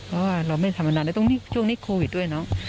เพราะว่าเราไม่ได้ทำนานตรงนี้ช่วงนี้โควิดด้วย